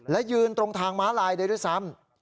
และยืนตรงทางม้าลายได้ด้วยซ้ำ